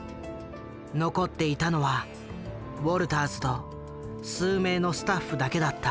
残っていたのはウォルターズと数名のスタッフだけだった。